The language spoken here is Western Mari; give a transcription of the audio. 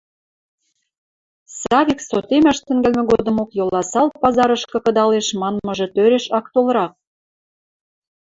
Савик сотемӓш тӹнгӓлмӹ годымок Йоласал пазарышкы кыдалеш манмыжы тӧреш ак толрак.